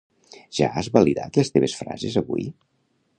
Ja has validad les teves frases, avui?